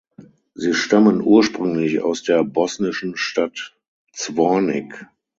Sie stammen ursprünglich aus der bosnischen Stadt Zvornik.